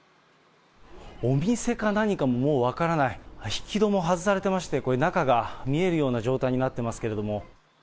お店か何かもう分からない、引き戸も外されてまして、中が見えるような状態になっていますけれども。